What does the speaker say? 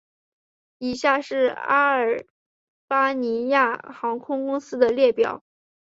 以下是阿尔巴尼亚航空公司的列表